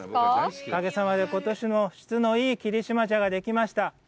おかげさまで、ことしも質のいい霧島茶ができました。